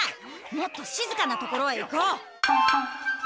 もっとしずかな所へ行こう。